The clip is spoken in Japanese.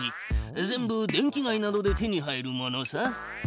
全部電気街などで手に入るものさ。